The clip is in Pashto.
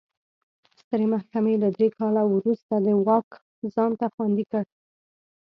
سترې محکمې له درې کال وروسته دا واک ځان ته خوندي کړ.